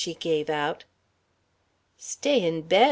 she gave out. "Stay in bed!"